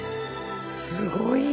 すごいよ。